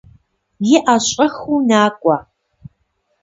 ИӀэ, щӀэхыу накӏуэ.